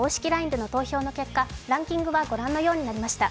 ＬＩＮＥでの投票の結果、ランキングはご覧のようになりました。